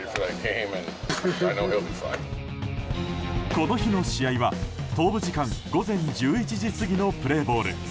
この日の試合は、東部時間午前１１日過ぎのプレーボール。